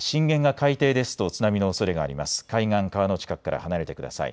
海岸、川の近くから離れてください。